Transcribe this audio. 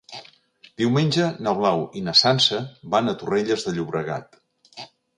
Diumenge na Blau i na Sança van a Torrelles de Llobregat.